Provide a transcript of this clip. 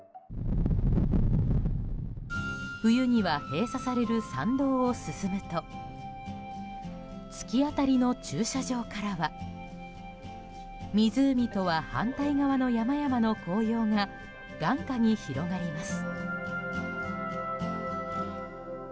冬には閉鎖される山道を進むと突き当たりの駐車場からは湖とは反対側の山々の紅葉が眼下に広がります。